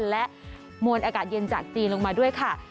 และมวลอากาศเย็นจากจีนลงมาด้วยค่ะ